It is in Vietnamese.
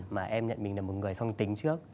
mà em nhận mình là một người song tính trước